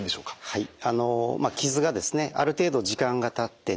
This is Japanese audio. はい。